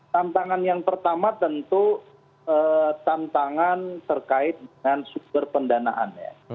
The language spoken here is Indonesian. tantangan yang pertama tentu tantangan terkait dengan sumber pendanaan ya